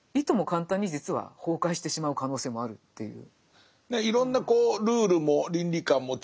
簡単に実は崩壊してしまう可能性もあるっていう。